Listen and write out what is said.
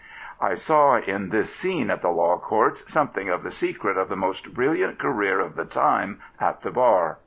I saw in this scene at the Law Courts something of the secret of the most brilliant career of the time at the bar.